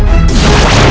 tidak ada kesalahan